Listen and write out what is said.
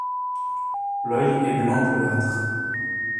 L'œil est blanc bleuâtre.